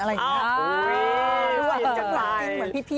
มันอะไร